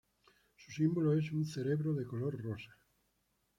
Su símbolo es un cerebro de color rosa.